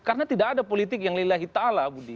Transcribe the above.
karena tidak ada politik yang lelahi ta'ala budi